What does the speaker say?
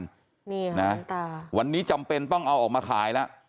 นี่ค่ะวันนี้จำเป็นต้องเอาออกมาขายแล้ว